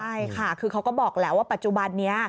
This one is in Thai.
ใช่ค่ะคือเขาก็บอกแล้วว่าปัจจุบันนี้